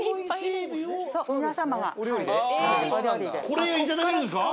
これをいただけるんですか？